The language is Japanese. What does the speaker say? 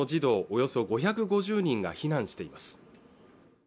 およそ５５０人が避難しています